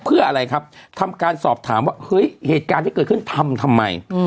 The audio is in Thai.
เพื่ออะไรครับทำการสอบถามว่าเฮ้ยเหตุการณ์ที่เกิดขึ้นทำทำไม